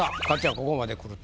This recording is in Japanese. ここまでくると。